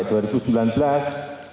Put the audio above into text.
akan datang kurang lebih sepuluh juta turis